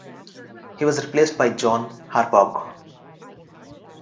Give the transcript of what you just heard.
He was replaced by John Harbaugh.